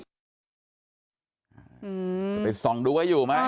จะไปส่องดูว่าอยู่ไหม